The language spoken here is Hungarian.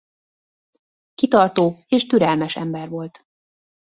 Kitartó és türelmes ember volt.